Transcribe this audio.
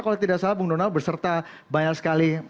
kalau tidak salah bung donald berserta banyak sekali